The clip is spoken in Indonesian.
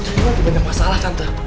untuk gua banyak masalah tante